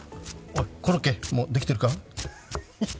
コロッケ、もうできてるか？